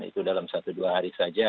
itu dalam satu dua hari saja